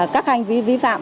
các hành vi vi phạm